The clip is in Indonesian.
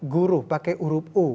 guru pakai urup u